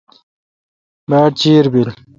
باڑ چیر بل۔